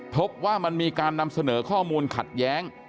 พบว่ามันมีการนำเสนอข้อมูลขัดแย้ง